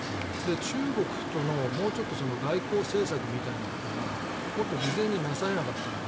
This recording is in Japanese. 中国とのもうちょっと外交政策みたいなことがもっと事前になされなかったのか。